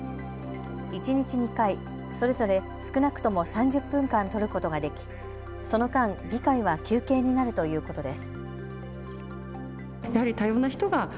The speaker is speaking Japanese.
一日２回、それぞれ少なくとも３０分間取ることができその間、議会は休憩になるということです。